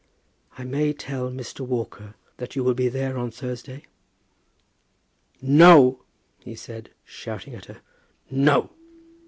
"I may tell Mr. Walker that you will be there on Thursday?" "No," he said, shouting at her. "No.